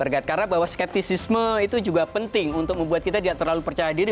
karena bahwa skeptisisme itu juga penting untuk membuat kita tidak terlalu percaya diri